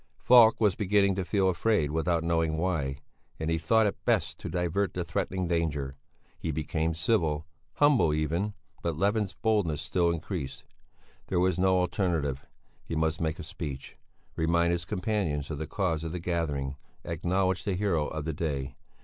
Falk was beginning to feel afraid without knowing why, and he thought it best to divert the threatening danger. He became civil, humble even, but Levin's boldness still increased. There was no alternative, he must make a speech, remind his companions of the cause of the gathering, acknowledge the hero of the day.